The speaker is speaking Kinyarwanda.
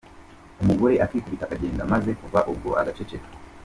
Umugore akikubita akagenda maze kuva ubwo agaceceka.